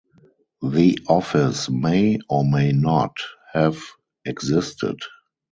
The office may or may not have existed.